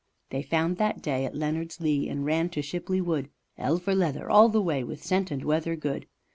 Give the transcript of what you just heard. They found that day at Leonards Lee and ran to Shipley Wood, 'Ell for leather all the way, with scent and weather good.